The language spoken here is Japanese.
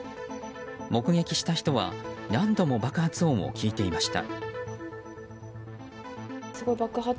目撃した人は何度も爆発音を聞いていました。